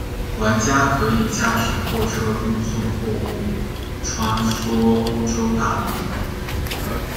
玩家可以驾驶货车运送货物穿梭欧洲大陆。